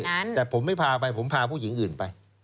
แต่ผมไม่พาไปผมพาผู้หญิงอื่นไป